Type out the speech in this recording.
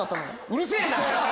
うるせえ！